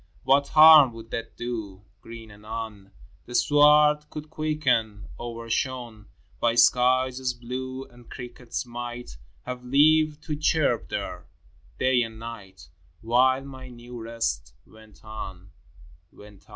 XIII. What harm would that do ? Green anon The sward would quicken, overshone By skies as blue; and crickets might Have leave to chirp there day and night While my new rest went on, went on.